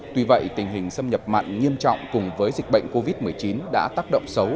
tuy vậy tình hình xâm nhập mặn nghiêm trọng cùng với dịch bệnh covid một mươi chín đã tác động xấu